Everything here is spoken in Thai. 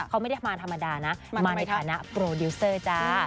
เขาไม่ได้มาธรรมดานะมาในฐานะโปรดิวเซอร์จ้า